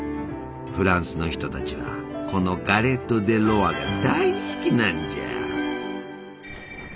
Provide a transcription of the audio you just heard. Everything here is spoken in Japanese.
フランスの人たちはこのガレット・デ・ロワが大好きなんじゃ！